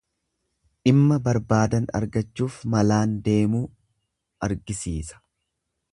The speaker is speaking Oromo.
Dhimma barbaadan argachuuf malaan deemuu argisiisa.